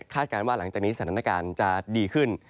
การว่าหลังจากนี้สถานการณ์จะดีขึ้น